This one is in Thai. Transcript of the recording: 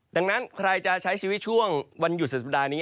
ดังนั้นใครจะใช้ชีวิตช่วงวันหยุดสุดสัปดาห์นี้